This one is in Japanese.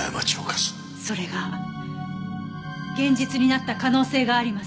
それが現実になった可能性があります。